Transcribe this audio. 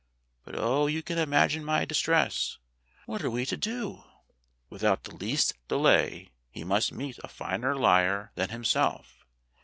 But, oh, you can imagine my distress! What are we to do ?" "Without the least delay he must meet a finer liar than himself.